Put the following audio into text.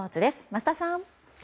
桝田さん。